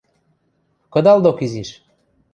Кыдалдок изиш...